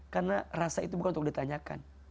karena rasa itu bukan untuk ditanyakan